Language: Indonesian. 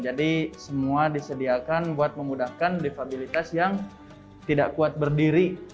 jadi semua disediakan buat memudahkan difabilitas yang tidak kuat berdiri